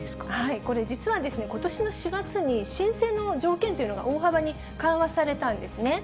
これ、実はことしの４月に申請の条件というのが大幅に緩和されたんですね。